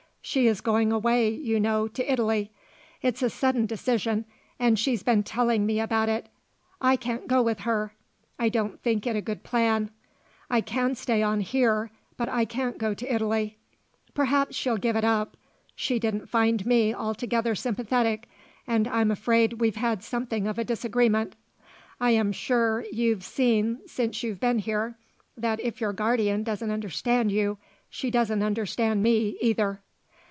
She is going away, you know, to Italy; it's a sudden decision and she's been telling me about it. I can't go with her. I don't think it a good plan. I can stay on here, but I can't go to Italy. Perhaps she'll give it up. She didn't find me altogether sympathetic and I'm afraid we've had something of a disagreement. I am sure you've seen since you've been here that if your guardian doesn't understand you she doesn't understand me, either."